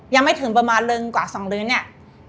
ยังไม่ถึงประมาณลึงกว่า๒ลื้อเนี่ย